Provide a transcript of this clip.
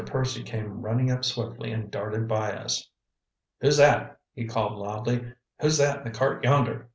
Percy came running up swiftly and darted by us. "Who's that?" he called loudly. "Who's that in the cart yonder?"